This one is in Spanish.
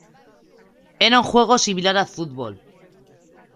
Era un juego similar al fútbol.